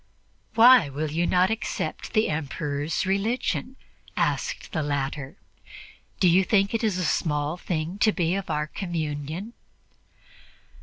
"Why will you not accept the Emperor's religion?" asked the latter. "Do you think it is a small thing to be of our communion?"